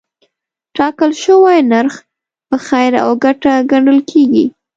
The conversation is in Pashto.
ټاکل شوی نرخ په خیر او ګټه ګڼل کېږي.